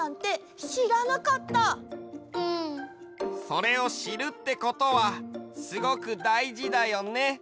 それをしるってことはすごくだいじだよね。